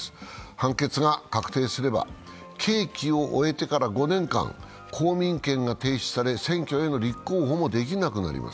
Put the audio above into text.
判決が確定すれば、刑期を終えてから５年間、公民権が停止され、選挙への立候補もできなくなります。